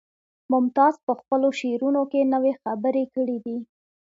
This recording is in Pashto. ممتاز په خپلو شعرونو کې نوې خبرې کړي دي